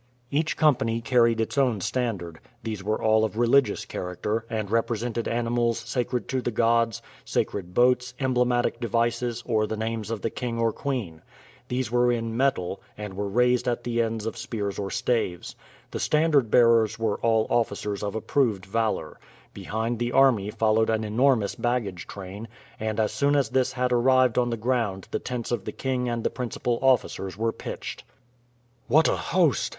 Each company carried its own standard; these were all of religious character, and represented animals sacred to the gods, sacred boats, emblematic devices, or the names of the king or queen. These were in metal, and were raised at the ends of spears or staves. The standard bearers were all officers of approved valor. Behind the army followed an enormous baggage train; and as soon as this had arrived on the ground the tents of the king and the principal officers were pitched. "What a host!"